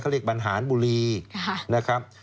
เขาเรียกบรรหารบุรีนะครับ